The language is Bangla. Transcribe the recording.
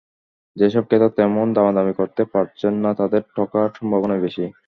যেসব ক্রেতা তেমন দামাদামি করতে পারছেন না, তাঁদের ঠকার সম্ভাবনাই বেশি।